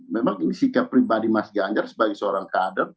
memang ini sikap pribadi mas ganjar sebagai seorang kader